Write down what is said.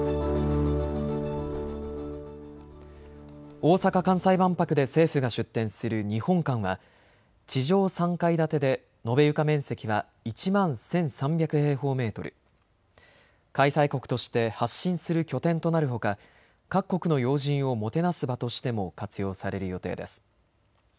大阪・関西万博で政府が出展する日本館は地上３階建てで延べ床面積は１万１３００平方メートル、開催国として発信する拠点となるほか、各国の要人をもてなす場としても活用される予定です。